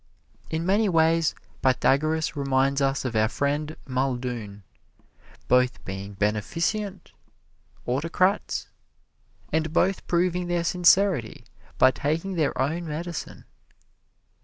In many ways Pythagoras reminds us of our friend Muldoon, both being beneficent autocrats, and both proving their sincerity by taking their own medicine.